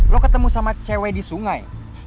lo ketemu sama cewek di sungai